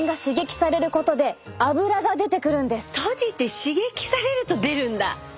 閉じて刺激されると出るんだ。